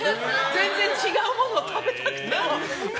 全然違うもの食べたくても。